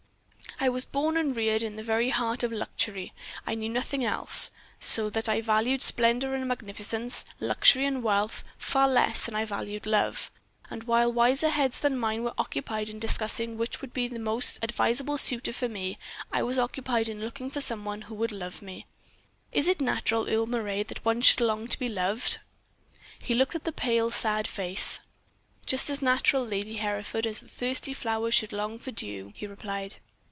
I was born and reared in the very heart of luxury I knew nothing else so that I valued splendor and magnificence, luxury and wealth far less than I valued love; and while wiser heads than mine were occupied in discussing which would be the most advisable suitor for me, I was occupied in looking for some one who would love me. Is it natural, Earle Moray, that one should long to be loved?" He looked at the pale, sad face. "Just as natural, Lady Hereford, as that the thirsty flowers should long for dew," he replied.